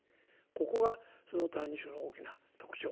ここがその「歎異抄」の大きな特徴。